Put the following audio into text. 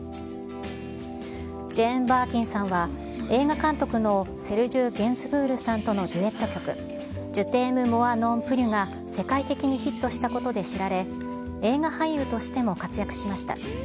ジェーン・バーキンさんは、映画監督のセルジュ・ゲンズブールさんとのデュエット曲、ジュ・テーム・モワ・ノン・プリュが世界的にヒットしたことで知られ、映画俳優としても活躍しました。